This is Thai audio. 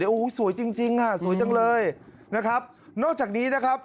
โอ้โหสวยจริงจริงอ่ะสวยจังเลยนะครับนอกจากนี้นะครับ